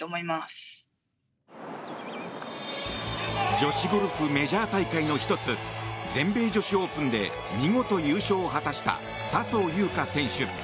女子ゴルフメジャー大会の１つ全米女子オープンで見事、優勝を果たした笹生優花選手。